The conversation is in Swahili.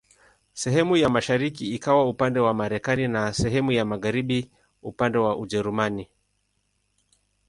Sehemu ya mashariki ikawa upande wa Marekani na sehemu ya magharibi upande wa Ujerumani.